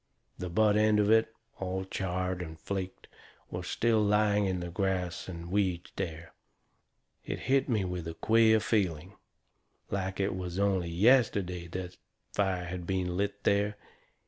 The butt end of it, all charred and flaked, was still laying in the grass and weeds there. It hit me with a queer feeling like it was only yesterday that fire had been lit there.